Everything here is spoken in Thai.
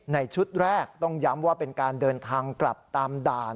ชุดแรกต้องย้ำว่าเป็นการเดินทางกลับตามด่าน